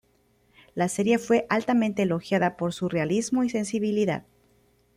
La serie fue altamente elogiada por su realismo y sensibilidad,